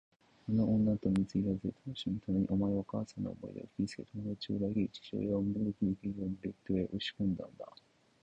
あの女と水入らずで楽しむために、お前はお母さんの思い出を傷つけ、友だちを裏切り、父親を身動きできぬようにベッドへ押しこんだのだ。